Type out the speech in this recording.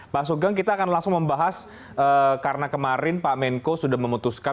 pak sugeng kita akan langsung membahas karena kemarin pak menko sudah memutuskan